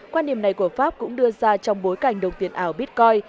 quan điểm này của pháp cũng đưa ra trong bối cảnh đồng tiền ảo bitcoin